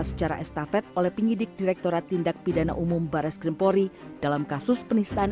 secara estafet oleh penyidik direkturat tindak pidana umum baris krimpori dalam kasus penistaan